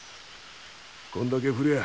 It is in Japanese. こんだけ降りゃあ